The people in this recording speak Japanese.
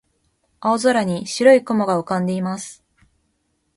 青空に白い雲が浮かんでいます。